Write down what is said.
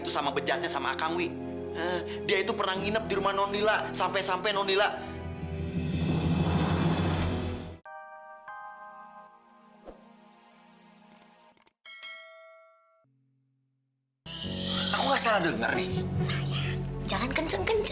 sampai jumpa di video selanjutnya